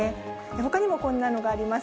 ほかにもこんなのがあります。